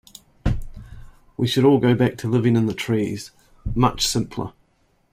We should all go back to living in the trees, much simpler.